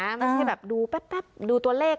ไม่ใช่ดูแป๊บตัวเลข